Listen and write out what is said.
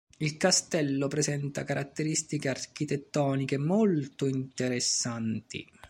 Il castello presenta caratteristiche architettoniche molto interessanti.